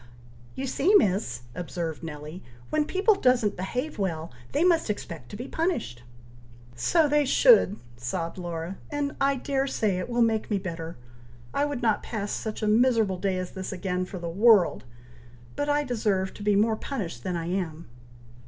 "You see, Miss!" observed Nelly, "when people doesn't behave well, they must expect to be punished." "So they should!" sobbed Laura; "and I dare say it will make me better! I would not pass such a miserable day as this again, for the world; but I deserve to be more punished than I am."